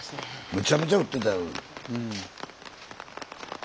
めちゃめちゃ降ってたよ。